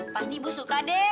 pasti ibu suka deh